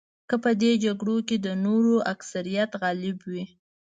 که په دې جګړو کې د نورو اکثریت غالب وي.